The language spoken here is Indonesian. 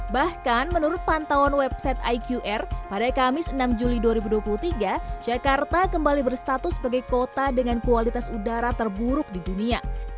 bahkan menurut pantauan website iqr pada kamis enam juli dua ribu dua puluh tiga jakarta kembali berstatus sebagai kota dengan kualitas udara terburuk di dunia